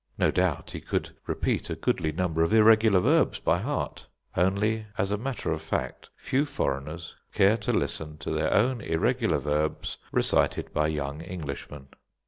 No doubt he could repeat a goodly number of irregular verbs by heart; only, as a matter of fact, few foreigners care to listen to their own irregular verbs, recited by young Englishmen.